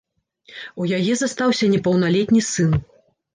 У яе застаўся непаўналетні сын.